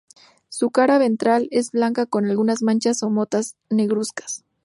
Su cara ventral es blanca con algunas manchas o motas negruzcas.